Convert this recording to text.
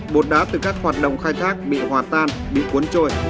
bột đá từ các hoạt động khai thác bị hòa tan bị cuốn trôi